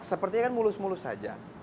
sepertinya kan mulus mulus saja